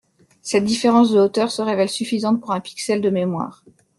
Cette différence de hauteur se révèle suffisante pour un pixel de mémoire.